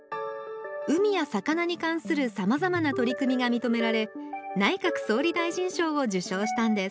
海や魚に関するさまざまな取り組みがみとめられ内閣総理大臣賞を受賞したんです